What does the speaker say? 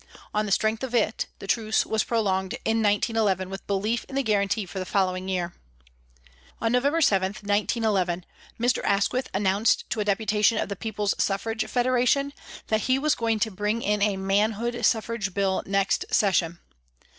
On the strength of it, the truce was prolonged in 1911 with belief in the guarantee for the following year. On November 7, 1911, Mr. Asquith announced to a deputation of the People's Suffrage Federation that he was going to bring in a Manhood Suffrage Bill next Session.